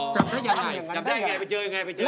จำได้ยังไงไปเจอยังไง